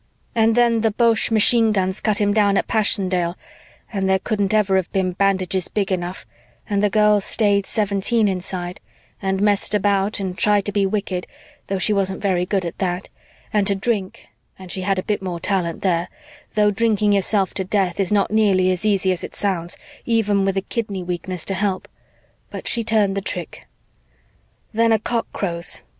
"And then the Boche machine guns cut him down at Passchendaele and there couldn't ever have been bandages big enough and the girl stayed seventeen inside and messed about and tried to be wicked, though she wasn't very good at that, and to drink, and she had a bit more talent there, though drinking yourself to death is not nearly as easy as it sounds, even with a kidney weakness to help. But she turned the trick. "Then a cock crows.